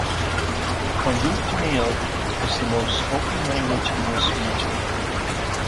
Kongu Tamil is the most spoken language in this region.